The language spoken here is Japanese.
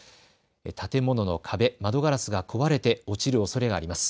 建物の壁、窓ガラスが壊れて落ちるおそれがあります。